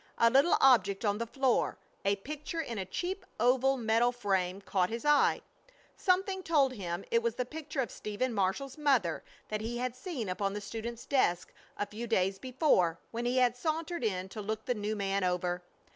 A little object on the floor, a picture in a cheap oval metal frame, caught his eye. Something told him it was the picture of Stephen Marshall's mother that he had seen upon the student's desk a few days before, when he had sauntered in to look the new man over.